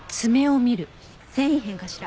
繊維片かしら？